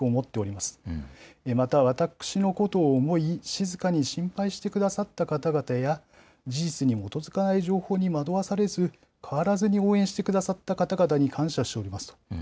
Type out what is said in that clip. また、私のことを思い、静かに心配してくださった方々や、事実に基づかない情報に惑わされず、変わらずに応援してくださった方々に感謝しておりますと。